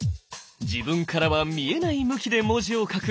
自分からは見えない向きで文字を書く